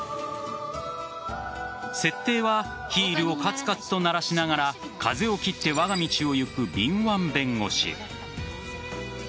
設定はヒールをカツカツと鳴らしながら風を切ってわが道を行く敏腕弁護士。